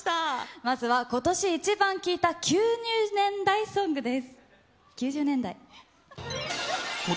まずは今年イチバン聴いた９０年代ソングです。